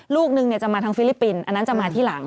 ลูกนึงจะมาทางฟิลิปปินส์อันนั้นจะมาที่หลัง